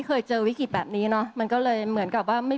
ขอบคุณครับ